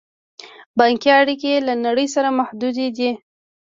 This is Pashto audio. بانکي اړیکې یې له نړۍ سره محدودې دي.